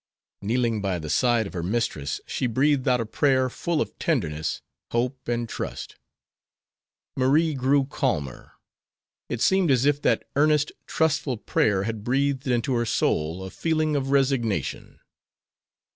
Kneeling by the side of her mistress she breathed out a prayer full of tenderness, hope, and trust. Marie grew calmer. It seemed as if that earnest, trustful prayer had breathed into her soul a feeling of resignation.